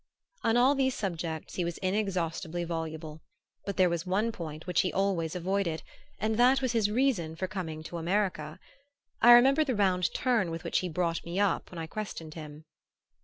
On all these subjects he was inexhaustibly voluble; but there was one point which he always avoided, and that was his reason for coming to America. I remember the round turn with which he brought me up when I questioned him.